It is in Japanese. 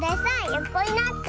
よこになって。